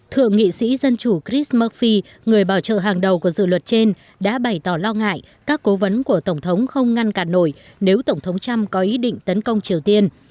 thượng nghị sĩ dân chủ chris murphie người bảo trợ hàng đầu của dự luật trên đã bày tỏ lo ngại các cố vấn của tổng thống không ngăn cản nổi nếu tổng thống trump có ý định tấn công triều tiên